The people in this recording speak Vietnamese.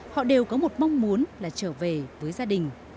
họ đều có một mong muốn là trở về với gia đình